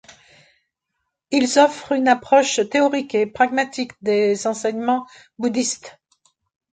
Ils offrent une approche théorique et pragmatique des enseignements bouddhistes.